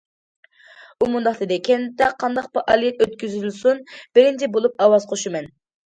ئۇ مۇنداق دېدى: كەنتتە قانداق پائالىيەت ئۆتكۈزۈلسۇن، بىرىنچى بولۇپ ئاۋاز قوشىمەن.